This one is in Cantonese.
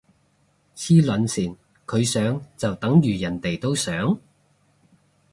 黐撚線，佢想就等如人哋都想？